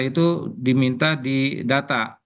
itu diminta di data